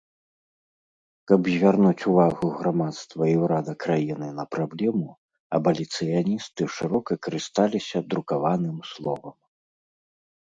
Каб звярнуць увагу грамадства і ўрада краіны на праблему абаліцыяністы шырока карысталіся друкаваным словам.